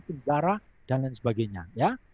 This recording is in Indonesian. penjara dan lain sebagainya ya